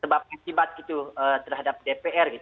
sebabnya tiba tiba terhadap dpr